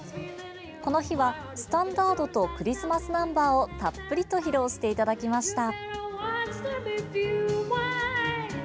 この日はスタンダードとクリスマスナンバーをたっぷりと披露していただきました。